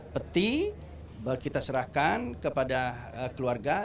peti baru kita serahkan kepada keluarga